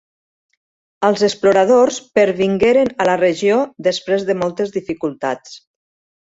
Els exploradors pervingueren a la regió després de moltes dificultats.